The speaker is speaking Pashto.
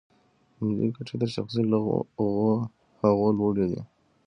ملي ګټې تر شخصي هغو لوړې دي.